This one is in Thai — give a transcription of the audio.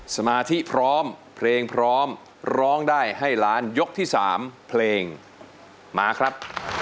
สมาธิพร้อมเพลงพร้อมร้องได้ให้ล้านยกที่๓เพลงมาครับ